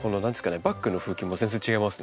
バックの風景も全然違いますね。